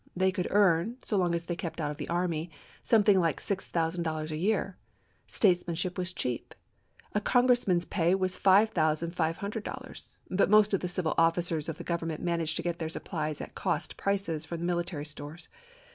They could earn, so long as they kept out of the army, some thing like six thousand dollars a year. States manship was cheap. A congressman's pay was five thousand five hundred dollars ; but most of the civil officers of the Government managed to get their supplies at cost prices from the military stores.